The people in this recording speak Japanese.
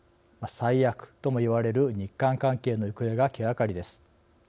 最悪ともいわれる日韓関係の行方が気がかりです。